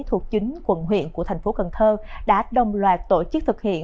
thuộc chính quận huyện của thành phố cần thơ đã đồng loạt tổ chức thực hiện